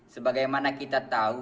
sebagai mana kita tahu